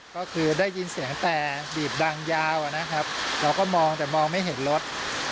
ก็คือได้ยินเสียงแต่บีบดังยาวนะครับเราก็มองแต่มองไม่เห็นรถ